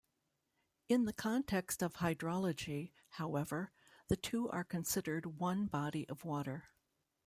In the context of hydrology, however, the two are considered one body of water.